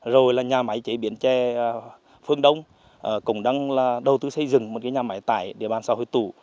rồi là nhà máy chế biến chè phương đông cũng đang là đầu tư xây dựng một cái nhà máy tải để bàn xã hội tủ